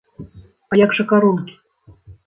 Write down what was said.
А як жа карункі?